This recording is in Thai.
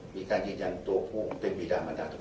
มีการกิจรรย์ตัวผู้เป็นวีรามาแต้ว